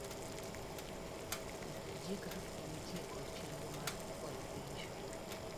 Mtajika ne nitie kod chenro mar kwalo penj.